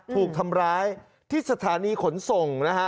ถูกทำร้ายที่สถานีขนส่งนะฮะ